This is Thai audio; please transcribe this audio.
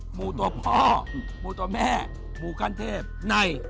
หมูตัวพ่อหมูตัวแม่หมูขั้นเทพใน